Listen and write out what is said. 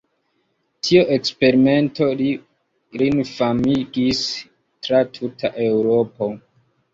Tiu eksperimento lin famigis tra tuta Eŭropo.